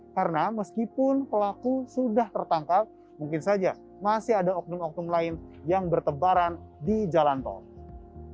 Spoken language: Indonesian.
karena meskipun pelaku sudah tertangkap mungkin saja masih ada oknum oknum lain yang bertebaran di jalan tol